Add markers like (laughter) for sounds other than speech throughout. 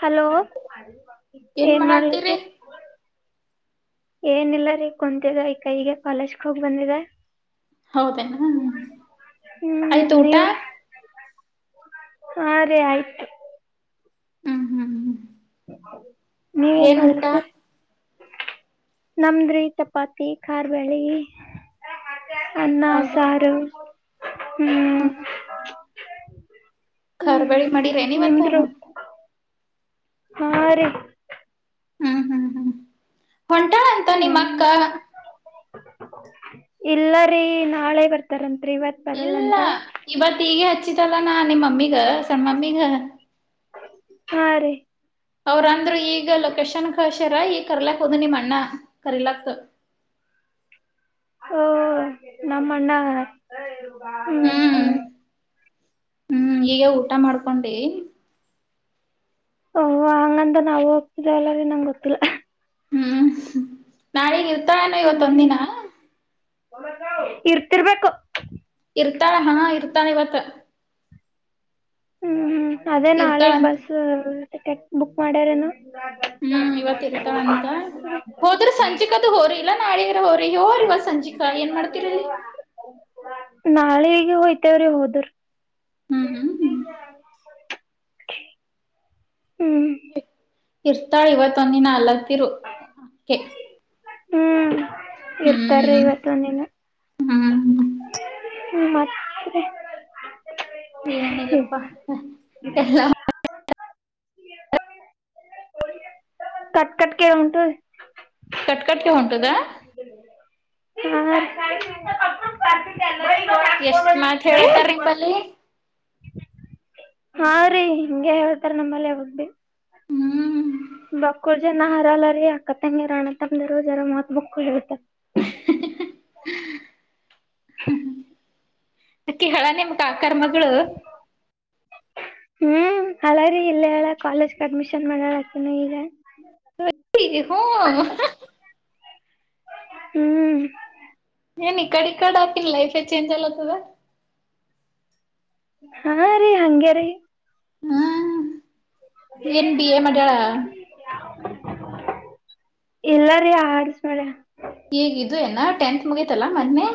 Hello ಏನ್ ಮಾಡ್ಲತ್ತೀರಿ ಏನಿಲ್ಲ ರೀ ಕುಂತಿದೆ ಈ ಕೈಗೆ ಕಾಲೇಜ್ಕ್ ಹೋಗಿ ಬಂದಿದೆ ಹೌದೇನಾ ಹ್ಮ್ ಆಯ್ತು ಊಟ ನೀವ್ರಿ ಹಾ ರಿ ಆಯ್ತು ಹ್ಮ್ ಹ್ಮ್ ಹ್ಮ್ ಹ ನೀವ ಏನ್ ಮಾಡ್ಲತಿರಿ ನಮದ್ರಿ ಚಪಾತಿ ಖಾರ್ಬೇಳಿ ಅನ್ನ ಸಾರು ಹ ಹುಚ್ಚೇ ಕಾರ್ ಬೆಳಿ ಮಾಡಿರೇನ್ ಇವತ್ತು ಹಾ ರೀ ಹು ಹು ಹು ಹೊಂಟಾಳ ಅಂತ ನಿಮ್ಮ ಅಕ್ಕ ಹ್ಮ್ ಇಲ್ಲ ರೀ ನಾಳೆ ಬರ್ತಾರಂತ ಇಲ್ಲ ಇವತ್ತು ಹೀಗೆ ಹಚ್ಚಿದಲ್ಲ ಹಚ್ಚಿದಲ್ಲ ನಾ ನಿಮ್ಮಮ್ಮಿಗ ಸ ಮಮ್ಮಿಗ ಆರಿ ಅವ್ರ ಅಂದ್ರರು ಈಗ ಲೊಕೇಶನ್ ಕಳಸರ್ ಈಗ ಕರ್ಲಾಕ್ ಹೋದ್ ನಿಮ್ ಅಣ್ಣ ಕರಿಲಕ್ ಹಓ ನಮ್ಮ ಅಣ್ಣ ಹು ಹು ಹು ಈಗ ಊಟ ಮಾಡ್ಕೊಂಡಿ ಓಹ ಹಂಗಂದ ನಾವವು ಹೋಗ್ತಿದೇಲ್ಲಾರಿ ನಂಗ ಗೊತ್ತಿಲ್ಲ. ಹು ನಾಳೇಗ ತೊ ಅಣ್ಣ ಹ್ಮ್ ಇವತ್ತ ಒಂದ ಹ್ಮ್ ದಿನ. ಇರ್ತಿರ್ಬೇಕು ಇರ್ತಾಳ ಹಾ ಇರ್ತಾಳೆ ಇವತ್ತ. ಹು ಹು ಹು ಅದೇ ನಾಳೆಗೆ ಇರ್ತಾಳಂತ ಬಸ್ಅ ಟಿಕೆಟ್ ಬುಕ್ ಮಾಡ್ಯಾರನು. ಹ್ಮ್ ಇವತ್ ಇರ್ತಾಳಂತ ಅಂತ ಹೋದ್ರ ಸಂಜಿಕದು ಹೋರಿ ಇಲ್ಲಾ ನಾಳಿಗರ ಹೋರಿ ಹೋರ್ ಇವ ಸಂಜಿಕಾ ಏನ್ ಮಾಡ್ತಿರಲ್ಲಿ. ನಾಳೆ ಈಗ ಹೋಯ್ತೇವ್ರೀ ಹೋದ್ರ. ಹು ಹು ಹು ಹ ಕಣ್ಣ್ ಮೋಚಗೋರಿ ಗ್ಲಿ ಇರ್ತಾಳ ಇವತ್ತೊಂದ ದಿನ. ಲತ್ತಿರು ಕೆ ಹು ಇರ್ತಾರ ಇವತ್ತೊಂದಿನಾ ಹು ಹುಮತ್ತರಿ ಏನಿಲ್ಲಪ್ಪಾ ಎಲ್ಲ (unintelligible) ಕಟ್ ಕಟ್ ಕೇಳಿ ಹೊಂಟ ಕಟ್ಕಟ್ಗೆ ಅದಕ್ಕ್ ಹೊಂಟದ ಹೊಡ್ಯಾಕಾಣ್ತಿದಿಲ್ಲ ಹೇಳ ಹಾರಿ (unintelligible) ಎಷ್ಟ ಮಾತ್ ಹೇಳತಾರ ನಿಂಬಲ್ಲಿ. ಹಾ ರೀ ಹಿಂಗೆ ಹೇಳ್ತಾರ ನಮ್ಮಲ್ಲಿ ಯಾವಾಗ ಬೀ. ಹ್ಮ್ ಬಕ್ಕೂರ್ ಜನ ಹರ ಅಲರಿ ಆಕತ್ತಂಗಿರಿ ರು ಅಣ್ಣ ತಮ್ಮಂದಿರು ಜರ ಮಾತು ಬಕಾಳ ಹೇಳ್ತಾರಿ ಅಕ್ಕಿ ಹಳ ನಿಮ್ಮ ಕಾಕರ ಮಗಳು. ಹ್ಮ್ ಹಳರಿ ಇಲ್ಲಲ್ಲ ಕಾಲೇಜ್ ಅಡ್ಮಿಷನ್ ಮಾಡ್ಯಾಳ ಆಕೆ ನೋ ಈಗ. (unintelligible) ಹೂ (unintelligible) ಹ್ಮ್ (unintelligible) ಇಕಡ ಇಕಡ ಅಕಿನ ಲೈಫ ಚಂಜ ಅಲಾತ. (unintelligible) ಹಾರಿ ಹಂಗೆ ರೀ ಹ್ಮ ಏನ್ ಬಿ ಎ ಮಾಡಾಳ ಎಲ್ಲಾರಿ ಆಡ್ಸ್ ಮಳ ಹೇಗಿದೆ ಏಣ್ಣ ಟೆಂತ್ ಮುಗತಲ್ಲಾ ಮೊನ್ನೆ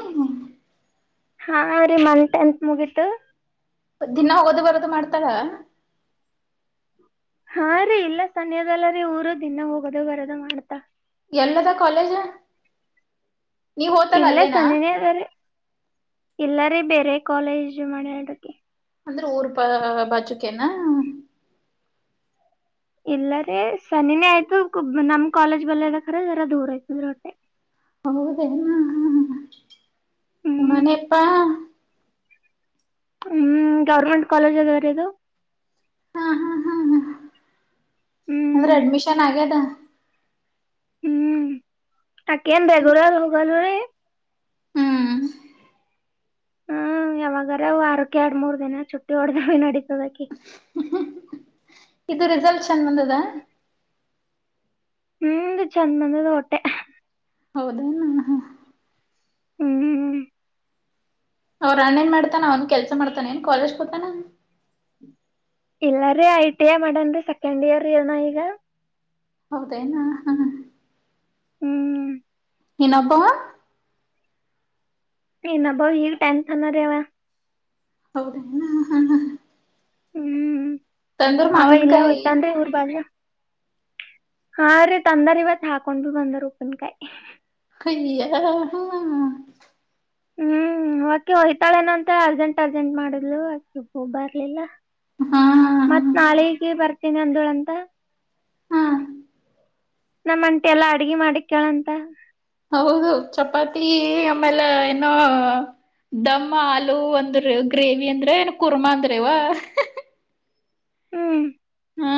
ಹಾ ರೀ ನಂದು ಟೆಂತ್ ಮುಗೀತು ದಿನಾ ಹೋಗೋದು ಬರೋದು ಮಾಡ್ತಾರ ಹಾ ರೀ ಇಲ್ಲ ಸನ್ಯದಲ್ಲ ರೀ ಊರು ದಿನ ಹೋಗೋದು ಬರದ ಮಾಡ್ತಾ ಎಲ್ಲದ ಕಾಲೇಜು ಇಲ್ಲೆ ಸಮೀಪ ರೀ ಇಲ್ಲ ರೆ ಬೇರೆ ಕಾಲೇಜ್ ಮಾಡಡಕ್ಕೆ ಅಂದ್ರೆ ಊರ್ ಪ ಬಾಜುಕ ನ ಇಲ್ಲರ ಸನಿನೇ ಆಯ್ತು ನಮ್ ಕಾಲೇಜ್ ಬಲ್ಲದ ಖರ ಜರ ದೂರ ಆಯ್ತಂದ್ರೆ ಹೊಟ್ಟೆ ಹೌದ ರೀ ಹ್ಮ ಹ್ಮ ಹ್ಮ್ ಉಮನಪ್ಪಾ ಹ್ಮ್ ಗೌರ್ಮೆಂಟ್ ಕಾಲೇಜ್ ಅದವರದು ಹಾ ಹಾ ಹಾ ಅಂದ್ರೆ ಹ್ಮ್ ಅಡ್ಮಿಷನ್ ಆಗ್ಯದ ಹ್ಮ್ ತಕೆನು ಬೇಗರ ಹೋಗಲ್ ರ ಹ್ಮ್ ಹ್ಮ ಯಾವಾಗಾರವು ಆರಕ್ಕೆ ಎರಡ್ ಮೂರ್ ದಿನ ಚುಟ್ಟಿ ಹೊಡ್ದಾವ ನಡೀತದಕಿ ಇದು ರಿಸಲ್ಷನ್ ಬಂದದ ಹ್ಮ್ದ ಚಂದ ಮಂದದ ಹೊಟ್ಟೆ ಹೌದೇ ನ ಹ್ಮ್್ಮ ಅವ್ರ ಅಣ್ಣ ಏನ್ ಮಾಡ್ತಾನ ಅವನ್ ಕೆಲ್ಸ ಮಾಡ್ತಾನ ಏನ್ ಕಾಲೇಜ್ಗೆ ಹತಾನ ಇಲ್ಲಾರೀ ಐ ಟಿ ಐ ಮಾಡನ್ ರೀ ಸೆಕೆಂಡ್ ಇಯರ್ ಏಣ ಈಗ ಹೌದಾಯನಾ ಹ್ಮ್ ಇನ್ನೊಬ್ಬ ಇನ್ನೊಬ್ಬ ಈಗ ಟೆಂತ್ ಇದವ ಹೌದು ಹ್ಮ್ ಅವ ಇಲ್ಲ ಮಾವಿನಕಾಯಿ ಹೋಯ್ತನ್ ಊರು ಬಾಗಿಲು ಹಾ ರೀ ತಂದಾರ ಇವತ್ ಹಾಕೊಂಡ್ ಭ ಬಂದಾರ ಉಪ್ಪನ್ಕಾಯಿ ಕೈಯ ಹ ಹ್ಮ್ ಆಕೆ ಹೊಯ್ತಾಳೇನ ಅಂತ ಅರ್ಜೆಂಟ್ ಅರ್ಜೆಂಟ್ ಮಾಡಿದ್ಲು ಆಕೆ ಬರ್ಲಿಲ್ಲ ಹಾ ನಾಳಗ ಬರ್ತೀನಿ ಅಂದಳಂತ ಹಾ ನಮ್ಮಂಟಿ ಎಲ್ಲಾ ಅಡ್ಗೆ ಮಾಡಿ ಕೇಳಂತ ಹೌದೌದು ಚಪಾತಿ ಈ ಆಮೇಲೆ ಹ ದಮ ಆಲೂ ಅಂದ್ರ ಗ್ರೇವಿ ಅಂದ್ರೆ ಏ ಕುರ್ಮಾ ಅಂದ್ರಿವಾ ಹ್ಮ್ ಹಾ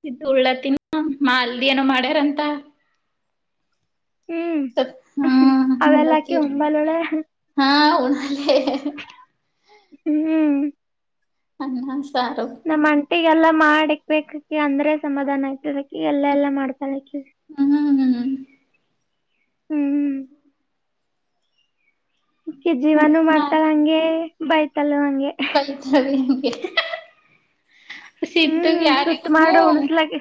ಸಿದ್ದ ಉಳ್ಳತ್ತಿನ ಮಾ ಅಲ್ದಿ ಏನೋ ಮಾಡ್ಯಾರಂತ ಹ್ಮ್ ಹ್ಮತ್ತ ಅವೆಲ್ಲಾಕಿ ಉಂಬಲುಳ ಹಾ ಅಲೆ ಹ್ಮ್ (unintelligible) ಸಾರು ಈಗಲ್ಲ ಮಾಡಿಕಬೇಕು ಅಂದ್ರೆ ಸಮಾಧಾನ ಆಯ್ತದ ಹ್ಮ್ ಹ್ಮ್ (unintelligible) ಕ್ಕೆ ಜೀವನೂ ಮಾಡ್ತಾರ ಹಂಗೆ ಬಾಯ್ (unintelligible) ಇ ಇ ಹಾ ಹ್ಮ್ ತುತ್ತ ಮಾಡಿ ಉಣ್ಸ್ ಹ್ಮ ಲಕ್ಕಿ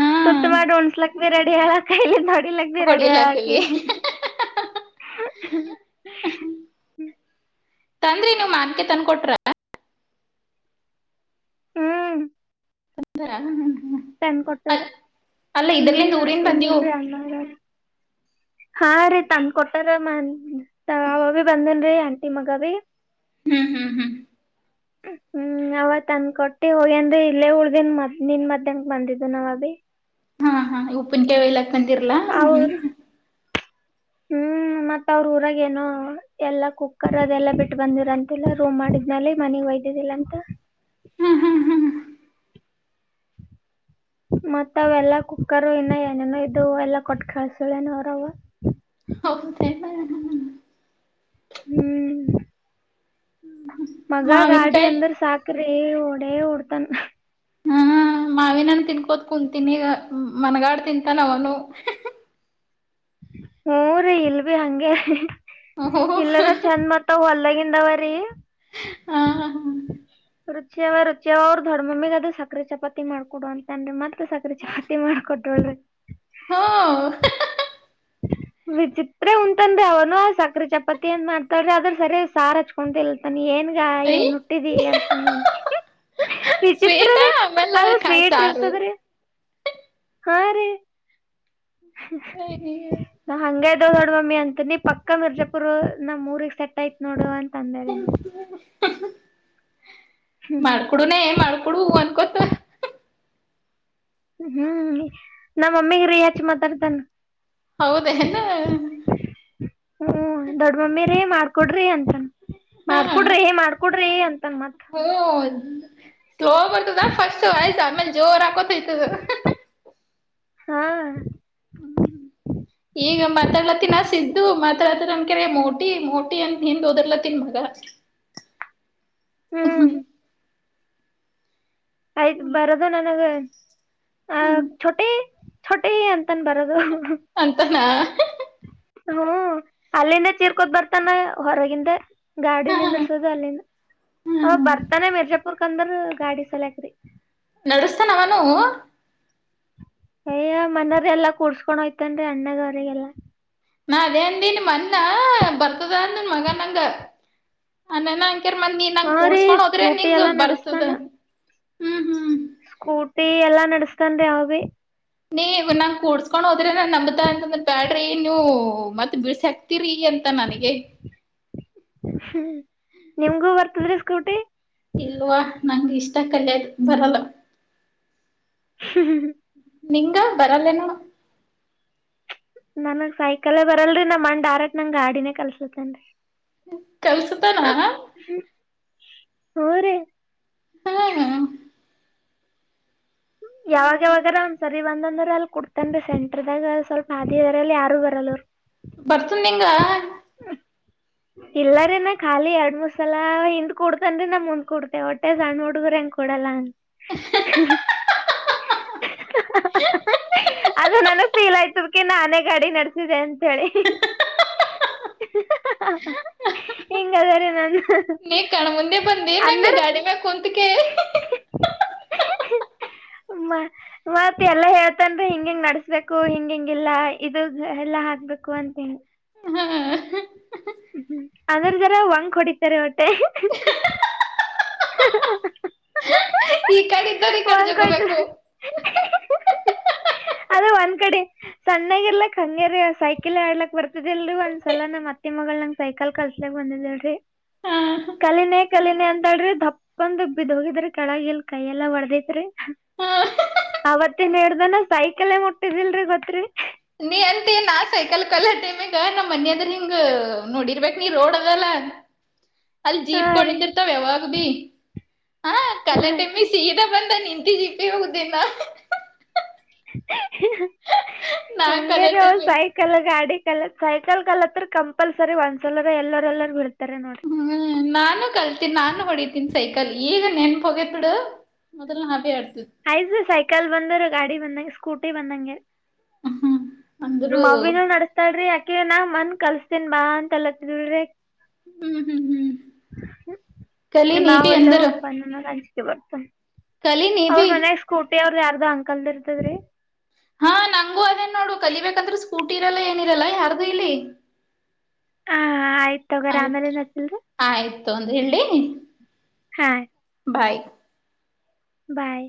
ಹಾ ತುತ್ತ ಮಾಡಿ ಉಣ್ಸ್ ಲಕ್ಕಿ ನೀ ರಡಿ ಆಗಕ್ಕೂ ಇಲ್ಲಿಂದ ಡಿ ಲಗದೆ ರಡೆಯ ಕೆ ಹೊಡಿಲಾಕವಿ (unintelligible) ತಂದ್ರಿ ನೀವ ಮಾನ್ಕ ತನ್ಕ ಕೊಟ್ರ ಹ್ಮ್ (unintelligible) ತಂದ ಕೊಟ್ಟಾರ ಅಲ್ ಅಲ್ಲ ಇದ್ರಲಿಂದ ಹ್ಮ್ ಊರಿಂದ ಬಂದಿವು ಆತಿದ್ದನ್ ರೀ ಅ ಹಾ ರೀ ತಂದ ಕೊಟ್ಟಾರ ಮನ್ ಅವ ಭ ಬಂದಲ್ರಿ ಆಂಟಿ ಮಗ ಭೀ ಹ್ಮ್ ಹ್ಮ್ ಹ್ಮ್ ಹ್ಮ್ ಅವತ್ಂದಕಟ್ಟಿ ಹೋಗ್ಯಂದ್ರ ಇಲ್ಲೇ ಉಳ್ದೇನ್ ಮದ್ ನಿನ್ ಮದ್ ಏನು ಬಂದಿದ್ದು ನಾವು ಅಬಿ ಆ ಉಪ್ಪಿನಕಾಯಿ ವಿಲ್ಲ ಬಂದಿಲ್ಲ ನೀ ಹ್ಮ್ ಮತ್ತ ಅವ್ರ ಊರಾಗ ಏನೋ ಎಲ್ಲಾ ಕುಕ್ಕರ್ ಅದೆಲ್ಲ ಬಿಟ್ಟ ಬಂದಿರಂತಿಲ್ಲ ರೂಮ್ ಮಾಡುದ್ಮೇಲೆ ಮನಗ್ ಒಯ್ದಿದ್ದಿಲ್ಲ ಅಂತ ಹ್ಮ್ ಹ್ಮ್ ಹ್ಮ್ ಮತ್ತ ಅವೆಲ್ಲಾ ಕುಕ್ಕರ್ ಇನ್ನ ಏನೇನೋ ಇದದು ಎಲ್ಲಾ ಕೊಟ್ ಕಳ್ಸಳೇನ ಅವ್ರವ ಹೌದೇನೋ ಹ್ಮ್ ಮಗ ಗಾಡಿ ಮಾವಿನಕಾಯಿ ಅಂದ್ರ ಸಾಕ ರೀ ಓಡೇ ಒಡ್ತಾನೆ ಹ್ಮ ಮಾವಿನಾನ ತಿನ್ಕೋದ ಕುಂತೀನಿ ಈಗ ಮನಗಾಡ್ ತಿಂತಾನ ಅವನು ಊರಿ ಇಲ್ಬಿ ಅಂಗೆ ಓಹೋ ಇಲ್ಲದ ಚಂದ್ ಮತ್ ಹೊಲ್ಲಾಗಿ ಎಂದವ್ರ ಹಾ ಹಾ ಹ ರುಚಿಯ ಅವ ರುಚಿಯ ಅವ್ರ ದೊಡ್ಡ ಮಮ್ಮಿಗೆ ಅದ ಸಕರೆ ಚಪಾತಿ ಮಾಡ್ಕೊಡು ಅಂತನ್ರಿ ಮತ್ತ ರೊಟ್ಟಿ ಮಾಡಿ ಕೊಟ್ಟು ಹೋದ್ರು ಹ ವಿಚಿತ್ರ ಉಂಡ್ತಾನ್ರೀ ಅವನು ಸಕ್ರೆ ಚಪಾತಿ ಅಂದ ಮಾಡ್ತಾಳ್ರಿ ಅದ್ರ ಸರಿ ಸಾರ್ ಹಚ್ಕೊಂತಲ್ತಾನಿ ಏನ್ ಈಗ ಐ ಏನ್ ಹಟ್ಟಿದಿ ಅಂತ ನಮ್ ಮಮ್ಮಿ ಶ್ವೇತಾ ವಿಚಿತ್ರದ ಆಮೇಲೆ ಅದ ಕಾಯಿ ಸ್ವೀಟ್ ಸಾರು ಇರ್ತದ್ರೀ ಹಾ ರೀ (unintelligible) (unintelligible) ಯನ್ನ ಪಕ್ಕಾ ಮಿರ್ಜಾಪುರು ನಮ್ಮ್ ಮೂರಿಗ್ ಸೆಟ್ ಆಯತ್ ನೋಡು ಅ ಕಂಡರನೆ ಮಾಡ್ಕೊಡುನ ಮಾಡ್ಕೊಡು ಅನ್ಕೊತ ಹ್ಮ್ ಹ್ಮ್ ನಮ್ಮಮ್ಮಿಗ ರೀ ಹಚ್ ಮಾತಾಡ್ತಾನ- ಹೌದೇನು ಕೊಡ್ರಿ ಅಂತ್ ಮಾಡ್ಕೊಡ್ರಿ ಮಾಡ್ಕೊಡ್ರಿ ಅಂತನ್ ಮತ್ ಹೂ ಸ್ಲೋ ಬರ್ತದಾ ಫಸ್ಟ್ ವಾಯ್ಸ್ ಆಮೇಲೆ ಜೋರ ಹಾಕೋತಯ್ತದ ಹಾ (inaudible) ಹ್ಮ್ ಈಗ ಮಾತಾ (unintelligible) ಇದು ಮಾತ್ರತ್ರ ನನ್ಕರೆ ಮೋಟಿ ಮೋಟಿ ಅಂತ ನಿಿಂದ್ ಹೋದರ್ಲ ತಿನ್ ಮಗ ಹ್ಮ್ (unintelligible) ಆಯ್ತ್ು ಹ್ಮ್ ಬರದ ನನಗೆ ಆ ಹ್ಮ್ ಛೋಟೇ ಛೊಟೆಯನ್ ನ್ ಬರದು ಹ್ಮ್ ಹ್ಮ್ ಅಂತಾನ ಹ್ಮ್ ಹ್ಮ್ ಅಲ್ಲಿಂದ ಚೀರ್ಕೋತ್ ಬರ್ತಾನ ಹೊರಗಿಂದ ಗಾಡಿ ಹಾ ನಿಂದರ್ಸೋದು ಅಲ್ಲಿಂದ ಅವ ಹ್ಮ್ ಬರ್ತಾನೆ ಮಿರ್ಜಪ್ಪ ಅ (unintelligible) ಗಾಡಿ ಸೆಲೆಕ್ ನಡೆಸ್ತಾನ ಅವನು ಅಯ್ಯ ಮನಯವ್ರ ಎಲ್ಲಾ ಕೂಡ್ಸ್ಕೊಂಡ್ ಹೋಯ್ತನ್ ಅಣ್ಣದವ್ರರಿಗೆಲ್ಲಾ ನಾ ಅದೇ ಅಂದಿ ನಿ ಮೊನ್ನ ಬರ್ತದ ಅಂದನ್ ಮಗ ನಂಗ ಅ ನ ಹರ್ ಮಂದ ನೀ ನಂಗ ಹಾ ರೀ ಕೂಡ್ಸ್ಕೊಂಡ್ ಹೋದ್ರೆ ಸ್ಕೂಟಿ ನಿಂಗ ಎಲ್ಲಾ ಬರ್ತದ ನಡಸ್ತಾನ ಹ್ಮ್ ಹ್ಮ್ ಸ್ಕೂಟಿ ಎಲ್ಲಾ ನಡೆಸ್ತನ್ ರೀ ಅವಿ ನೀವ ನಂಗ ಕೂಡ್ಸ್ಕೊಂಡ್ ಹೋದ್ರಿ ನಾನ್ ನಂಬತಾ ಅಂತ ಅಂದ್ರ ಬ್ಯಾಡ್ ರಿ ಇನ್ನು ಮತ್ತ ಬಿಳಸ ಹಾಕ್ತಿರಿ ಎಂತಾ ನನಗೆ ನಿಮಗೂ ಬರ್ತದ್ ರಿ ಸ್ಕೂಟಿ ಇಲ್ವಾ ನನಗ ಇಷ್ಟ ಕಲಿಯಕ್ ಬರಲ್ಲ ಹ್ಮಹ್ಮ್ ಹ್ಮ್ ನಿಂಗ ಬರಲ್ಲ ಏನ್ ನನಗ ಸೈಕಲ್ ಬರಲ್ಲ ರಿ ನಮ್ಮ ಅಣ್ಣ ಡೈರೆಕ್ಟ್ ನಂಗ ಗಾಡಿನೇ ಕಲಿಸಿದನೆ ರಿ ಕಲಸತಾನ್ ಹ್ ಹೂ ರಿ ಹ್ಮ ಯಾವಾಗ ಯಾವಾಗ ರ ಒಂದ್ ಸರಿ ಬಂದ ಅಂದ್ರ ಅಲ್ಲಿ ಕೋಡತನ್ ರಿ ಸೆಂಟರ್ದಾಗ ಸ್ವಲ್ಪ ಆದಿ ಅಲ್ಲಿ ಯಾರೂ ಬರಲ್ಲ ಬರ್ತದ ನಿಂಗಾ ಇಲ್ಲರೀ ನಾ ಖಾಲಿ ಎರಡ್ ಮೂರ ಸಲ್ ಹಿಂದ್ ಕೂಡ್ತನ್ ಮುಂದ್ ಕುಡ್ತೆ ಒಟ್ಟ ಸಣ್ಣ ಹುಡುಗ್ರ ಅಂಗ ಕೊಡಲ್ಲ ಅ ಅದು ನನಗ್ ಫೀಲ್ ಆಯ್ತದಕ ನಾನೇ ಗಾಡಿ ನಡೆಸಿದೆೆ ಅಂತೇಳಿ ಹಿಂಗಅದಿನಿ ರಿ ನಾನ್ ಈ ಕಣ್ಣ ಮುುಂದೆ ಬಂದಿ ಏನ್ ನನಗ ಗಾಡಿ ಮೇಲೆ ಕುಂತ ಕೆ ಮ ಮತ್ತ ಎಲ್ಲಾ ಹೇಳತಿನಿ ರಿ ಹಿಂಗ ಹಿಂಗ್ ನಡಸಬೇಕು ಹಿಂಗ ಹಂಗ ಇಲ್ಲ ಇದು ಎಲ್ಲಾ ಹಾಕಬೇಕು ಅಂತನಿ ಹಾ ಹ್ಮ ಅದರದರ್ ಒಂದ ಕೂಡಿತಾರೆ ವಟ್ಟೆ ಈ ಕಡೆ ವಂಕ್ ಜಕ್ಕೋಬೇಕು ಹೊಡಿತಾರೆ ಅದ ಒಂದ್ ಕಡೆ ಸಣ್ಣಾಗ ಇರ್ಲಕ್ ಹಂಗಗೆ ರೀ ಸೈಕಲ್ ಆಡ್ಲಕ್ ಬರ್ತಿದಿಲ್ರಿ ಒಂದ ಸಲಾ ನಮ್ಮ್ ಅತ್ತಿ ಮಗಳ ನಂಗ ಸೈಕಲ್ ಕಲಸಕ್ ಬಂದಿದಿಲ್ರರಿ ಹಾ ಕಲೀಲೆ ಕಲೀಲೆ ಅಂತಳ ರಿ ತಪ್ಪಂದ ಬಿದೋಗಿದ್ರ ಕೆಳಗ ಎಲ್ಲಾ ಕೈಯ ಎಲ್ಲಾ ಹೊಡೆದೈತ್ರಿ ಹಾ ಅವತ್ತ ಇಂದ ಸೈಕಲ್ ಮುಟ್ಟಿದಿಲ್ರಿ ಗೊತ್ತರಿ ನೀ ಅಂತೇ ನಾ ಸೈಕಲ್ ಕಲಿ ಟೈಮ ಗೆ ನಮ್ಮ್ ಮನೆ ಹೆದರ್ ನೋಡಿರಬೇಕ ನೀ ರೋಡ್ ಅದ ಅಲ್ಲ ಅಲ್ಲಿ ಹಾ ಜೀಪಗಳು ರೀ ನಿಂತಿರ್ತಾವ ಯಾವಾಗ್ ಬಿ ಹ ಕಲೆ ಹಾ ಟೈಮ್ ಗೆ ಸೀದ ಬಂದ ನಿಂತಿದ ಜಿಪಿ ಗೆ ಹೋಗಿ ಗುದ್ದೀನಿ ನಾ ನಾ ಹಂಗಾ ಕಲೆ ರಿ ಅವು ಟೈಮಿಗ್ ಸೈಕಲ್ ಗಾಡಿ ಕಲತ ಸೈಕಲ್ ಕಲತ್ರ್ ಕಂಪಲ ಸರಿ ಒಂದಸಲ ಎಲ್ಲರ ಎಲ್ಲರ ಬೀಳತೀವಿ ಹ್ಮ್ ನಾನು ಕಲ್ತೀನ್ ನಾನು ಹೊಡಿತೀನ್ ಸೈಕಲ್ ಈಗ ನೆನಪ ಹೋಗೇತ್ ಬಿಡು ಮೊದಲ್ ನಾ ಬಿ ಹಾಡತಿದ್ದೆ ಆಯ್ತು ಸೈಕಲ್ ಬಂದರ ಗಾಡಿ ಬಂದಂಗೆ ಸ್ಕೂಟಿ ಬಂದಂಗ ಹ ಹಾ ಮಾವ್ವಿನೂ ನಡಸ್ತಾಳ್ರಿ ಯಾಕೆ ಅ ನಾ ಮನ್ನೆ ಕಲ್ಸ್ತೇನ್ ಬಾ ಅಂತಲ್ಲತ್ತಲ್ ಹ್ಮ್ ಹ್ಮ್ ಹ್ಮ್ ಕಲಿ ನೀ ಬಿ ಅಂದರ ಬರುತ್ತಾ ಕಲಿ ನೀ ಬಿ ಅವ್ರದ ಯಾರದೋ ಅಂಕಲದ ಇರತದ ರಿ ಹಾ ನಂಗೂ ಅದೇನ್ ನೋಡು ಕಲಿಬೇಕಂದ್ರ ಸ್ಕೂಟಿ ಇರಲ್ಲ ಏನಿರಲ್ಲ ಯಾರ್ದು ಇಲ್ಲಿ ಹಾ ಆಯ್ತು ತಗಾರ ಆಮೇಲೆ ನಸಲ್ರಿ ಒಂದು ಹೇಳಿ ಹಾ ಬಾಯ್ ಬಾಯ್